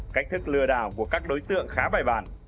cách thức lừa đảo của các đối tượng khá bài bản